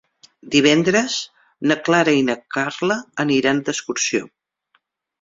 Divendres na Clara i na Carla aniran d'excursió.